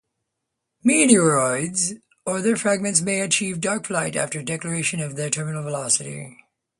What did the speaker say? Meteoroids or their fragments may achieve dark flight after deceleration to terminal velocity.